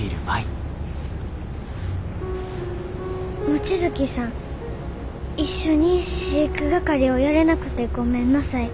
「望月さんいっしょにし育係をやれなくてごめんなさい。